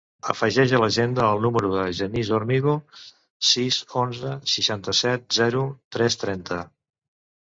Afegeix a l'agenda el número del Genís Hormigo: sis, onze, seixanta-set, zero, tres, trenta.